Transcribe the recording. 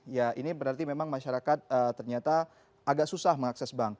ya ini berarti memang masyarakat ternyata agak susah mengakses bank